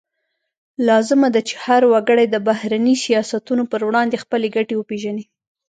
لازمه ده چې هر وګړی د بهرني سیاستونو پر وړاندې خپلې ګټې وپیژني